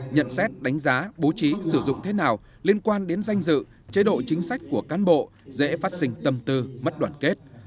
nhận xét đánh giá bố trí sử dụng thế nào liên quan đến danh dự chế độ chính sách của cán bộ dễ phát sinh tâm tư mất đoàn kết